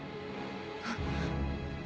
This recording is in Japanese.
あっ